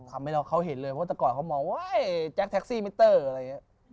ทำให้เราเขาเห็นเลยเพราะแต่ก่อนเขามองว่าแจ็คแท็กซี่มิเตอร์อะไรอย่างนี้